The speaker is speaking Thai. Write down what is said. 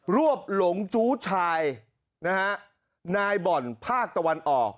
รวบหลงจูชายนายบ่อนภาคตะวันออก